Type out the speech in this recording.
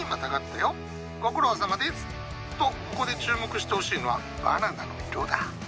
ご苦労さまです！とここで注目してほしいのはバナナの色だ。